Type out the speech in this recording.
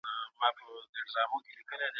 هلمند د پنبې او غلې د تولید مرکز دی.